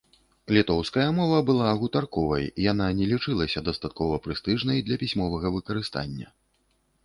Літоўская мова была гутарковай, яна не лічылася дастаткова прэстыжнай для пісьмовага выкарыстання.